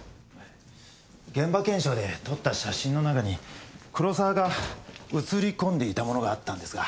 現場検証で撮った写真の中に黒沢が写り込んでいたものがあったんですが。